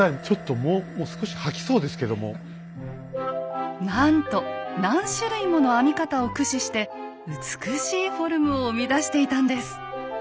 ちょっともうもう少しなんと何種類もの編み方を駆使して美しいフォルムを生み出していたんです。